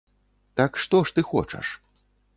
Так што ж ты хочаш?